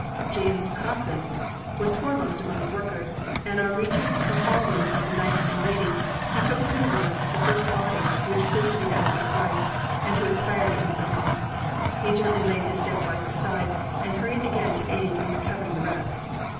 James Hassen was foremost among the workers, and on reaching the hall room of the Knights and Ladies, he took from the ruins the first body, which proved to be that of his wife, and who expired in his arms. He gently laid his dead wife aside, and hurried again to aid in recovering the rest.